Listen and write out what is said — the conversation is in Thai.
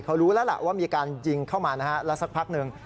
เขารู้แล้วล่ะว่ามีการยิงเข้ามานะฮะแล้วสักพักหนึ่ง